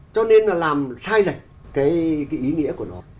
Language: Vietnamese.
cho nên nó làm sai lệch cái ý nghĩa của nó